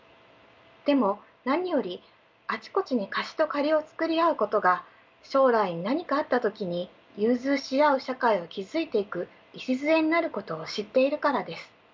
でも何よりあちこちに貸しと借りをつくり合うことが将来に何かあった時に融通し合う社会を築いていく礎になることを知っているからです。